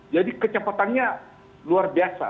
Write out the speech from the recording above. jadi kecepatannya luar biasa